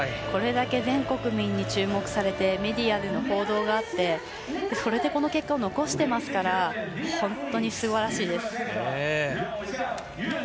これだけ全国民に注目されてメディアでの報道があってそれでこの結果を残していますから本当にすばらしいです。